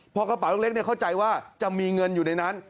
พอกระเป๋าเล็กเข้าใจว่าจะมีเงินอยู่ในนั้น